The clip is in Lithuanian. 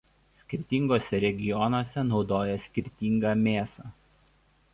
Skirtinguose regionuose naudoja skirtingą mėsą.